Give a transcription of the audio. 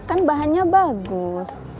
kan bahannya bagus